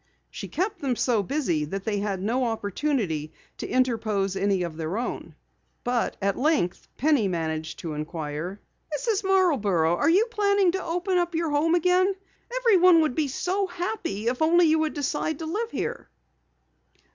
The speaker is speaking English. She kept them so busy that they had no opportunity to interpose any of their own. But at length Penny managed to inquire: "Mrs. Marborough, are you planning to open up your home again? Everyone would be so happy if only you should decide to live here!"